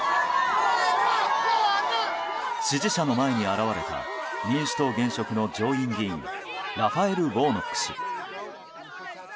支持者の前に現れた民主党現職の上院議員ラファエル・ウォーノック氏。